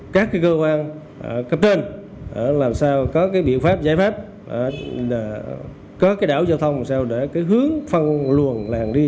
các cơ quan cấp tên làm sao có biện pháp giải pháp có đảo giao thông sao để hướng phân luồng làng đi